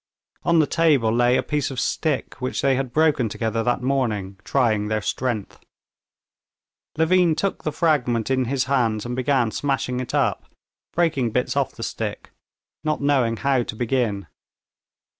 On the table lay a piece of stick which they had broken together that morning, trying their strength. Levin took the fragment in his hands and began smashing it up, breaking bits off the stick, not knowing how to begin.